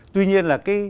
tuy nhiên là cái